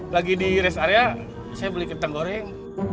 lagi di rest area saya beli kentang goreng